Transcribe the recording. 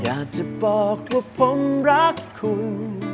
อยากจะบอกว่าผมรักคุณ